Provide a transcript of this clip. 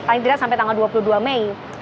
paling tidak sampai tanggal dua puluh dua mei